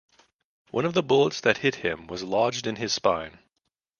One of the bullets that hit him was lodged in his spine.